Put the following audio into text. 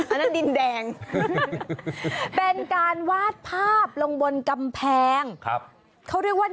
อันนั้นดินแดงเป็นการวาดภาพลงบนกำแพงเขาเรียกว่า